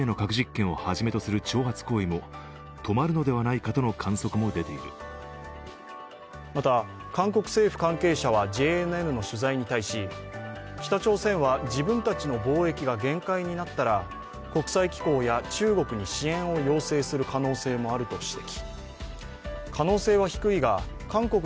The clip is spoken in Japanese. この一報について韓国の聯合ニュースはまた、韓国政府関係者はＪＮＮの取材に対し北朝鮮は自分たちの防疫が限界になったら国際機構や中国に支援を要請する可能性もあると指摘。